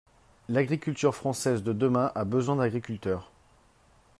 L’agriculture française de demain a besoin d’agriculteurs.